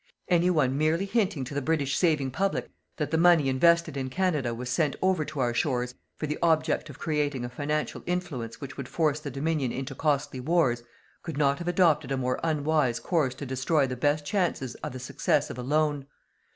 Any one merely hinting to the British saving public that the money invested in Canada was sent over to our shores for the object of creating a financial influence which would force the Dominion into costly wars, could not have adopted a more unwise course to destroy the best chances of the success of a loan.